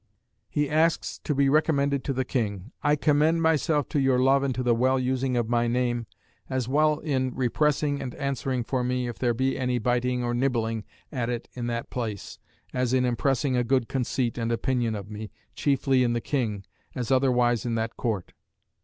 He asks to be recommended to the King "I commend myself to your love and to the well using of my name, as well in repressing and answering for me, if there be any biting or nibbling at it in that place, as in impressing a good conceit and opinion of me, chiefly in the King, as otherwise in that Court."